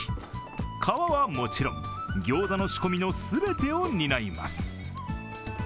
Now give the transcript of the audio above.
皮はもちろん、ギョーザの仕込みの全てを担います。